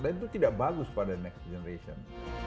dan itu tidak bagus pada next generation